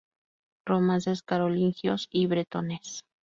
Romances carolingios y bretones.